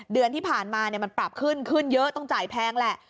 เดือนที่ผ่านมามันปรับขึ้นขึ้นเยอะต้องจ่ายแพงแหละ